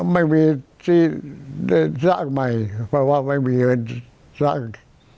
ไม่มีที่ได้สร้างใหม่เพราะว่าไม่มีเงินสร้าง